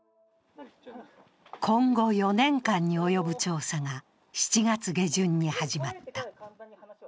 今後４年間に及ぶ調査が７月下旬に始まった。